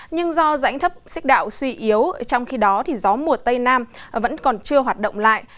nhưng do rãnh thấp xích đạo suy yếu trong khi đó gió mùa tây nam vẫn còn chưa hoạt động lại